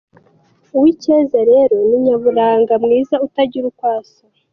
Uwicyeza rero ni Nyaburanga, Mwiza utagira uko asa.